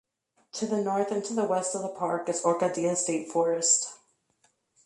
To the north and to the west of the park is Orkadilla State Forest.